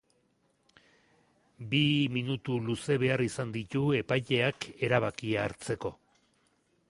Bi minutu luze behar izan ditu epaileak erabakia hartzeko.